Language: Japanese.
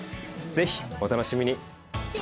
ぜひお楽しみに。